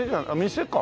店か？